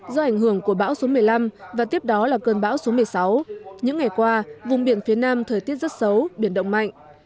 do ảnh hưởng của bão số một mươi năm và tiếp đó là cơn bão số một mươi sáu những ngày qua vùng biển phía nam thời tiết rất xấu biển động mạnh